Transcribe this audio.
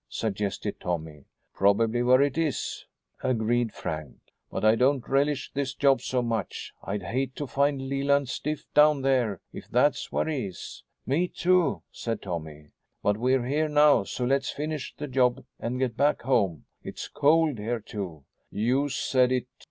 suggested Tommy. "Probably where it is," agreed Frank, "but I don't relish this job so much. I'd hate to find Leland stiff down there, if that's where he is." "Me, too," said Tommy. "But we're here now, so let's finish the job and get back home. It's cold here, too." "You said it.